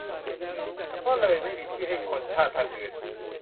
ก็เลยไม่มีที่ให้คนชาติพันธุ์อื่น